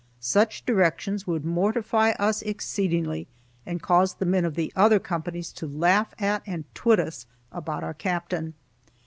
Such directions would mortify us exceedingly, and caused the men of the other companies to laugh at and twit us about our Captain.